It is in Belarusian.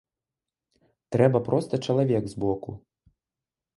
Трэба проста чалавек з боку.